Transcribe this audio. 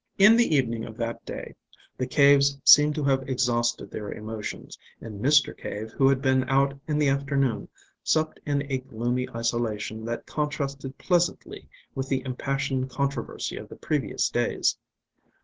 In the evening of that day, the Caves seem to have exhausted their emotions, and Mr. Cave, who had been out in the afternoon, supped in a gloomy isolation that contrasted pleasantly with the impassioned controversy of the previous days.